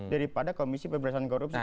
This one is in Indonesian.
daripada komisi pemberhiasan korupsi